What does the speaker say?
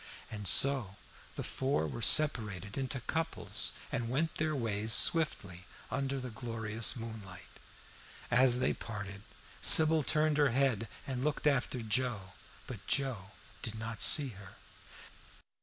And so the four were separated into couples, and went their ways swiftly under the glorious moonlight. As they parted Sybil turned her head and looked after Joe, but Joe did not see her.